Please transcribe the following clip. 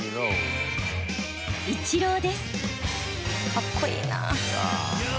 かっこいいなあ。